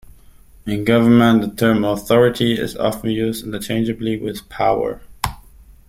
In government, the term "authority" is often used interchangeably with "power".